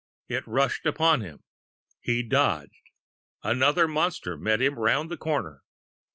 It rushed upon him. He dodged.... Another Monster met him round the corner.